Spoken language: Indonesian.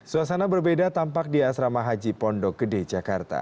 suasana berbeda tampak di asrama haji pondok gede jakarta